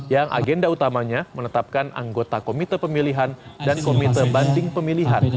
yang agenda utamanya menetapkan anggota komite pemilihan dan komite banding pemilihan